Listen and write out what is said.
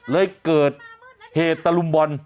เลยเกิดเหตุตะลุมบอล